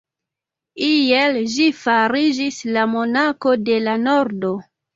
Iel ĝi fariĝis la Monako de la Nordo.